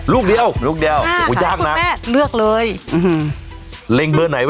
ลูกเดียวลูกเดียว